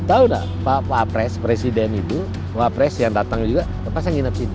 tahu tidak pak pres presiden itu pak pres yang datang juga pasti menginap di sini